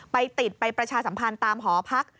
ไปติดไปประชาสัมพันธ์ตามหอพัก